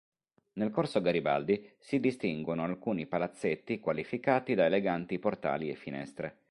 Nel Corso Garibaldi si distinguono alcuni palazzetti qualificati da eleganti portali e finestre.